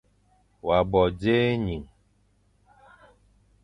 Wa bo dzé ening.